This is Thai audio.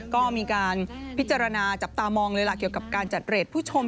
ก็มีการพิจารณาจับตามองเลยล่ะเกี่ยวกับการจัดเรทผู้ชม